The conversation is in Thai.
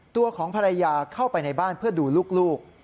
ตัวของภรรยาเข้าไปในบ้านเพื่อดูลูก